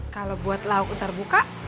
kalo buat lauk ntar buka